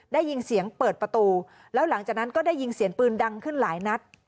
ได้ยินเสียงเปิดประตูแล้วหลังจากนั้นก็ได้ยินเสียงปืนดังขึ้นหลายนัด